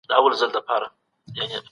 د ښوونکو د ارزونې لپاره معیاري فورمې نه وي.